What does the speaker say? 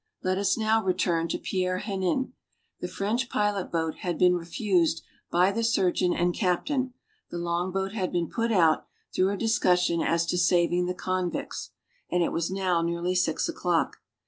Let us now return to Pierre Henin. The French pilot boat had been refused by the surgeon and captain the long boat had been put out, through a discussion as to saving the convicts and it was now nearly six o'clock.